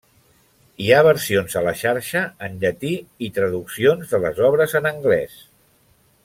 Hi ha versions a la xarxa en llatí i traduccions de les obres en anglès.